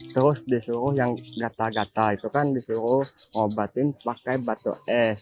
terus disuruh yang gatal gatal itu kan disuruh ngobatin pakai batu es